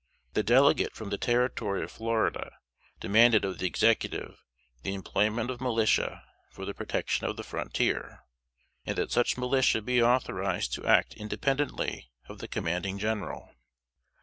The Delegate from the Territory of Florida demanded of the Executive the employment of militia for the protection of the frontier, and that such militia be authorized to act independently of the Commanding General.